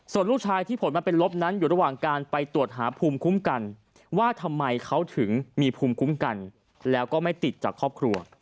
ส่วนลูกชายที่ผลมาเป็นลบนั้นอยู่ระหว่างการไปตรวจหาภูมิคุ้มกันว่าทำไมเขาถึงมีภูมิคุ้มกันแล้วก็ไม่ติดจากครอบครัว